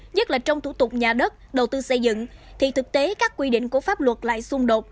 nhất là trong thủ tục nhà đất đầu tư xây dựng thì thực tế các quy định của pháp luật lại xung đột